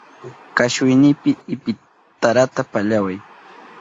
Kashuynipi ipitarata pallaway.